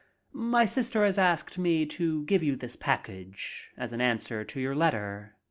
My sister has asked me to give you this package as an answer to your letter.